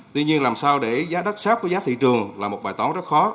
tuy nhiên làm sao để giá đất sát với giá thị trường là một bài tóng rất khó